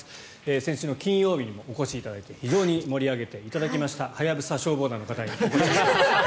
先週の金曜日にもお越しいただいて非常に盛り上げていただきました「ハヤブサ消防団」の方にいらしていただきました。